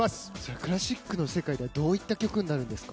クラシックの世界ではどういった曲になるんですか？